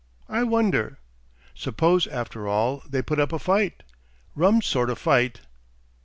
I wonder. Suppose, after all, they put up a fight.... Rum sort of fight!"